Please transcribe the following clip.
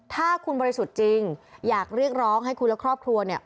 ถ้าคุณบริสุทธิ์จริงอยากเรียกร้องให้คุณและครอบครัวเนี่ย